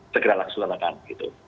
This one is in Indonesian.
segera laksanakan gitu